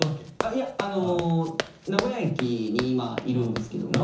いや名古屋駅に今いるんですけども。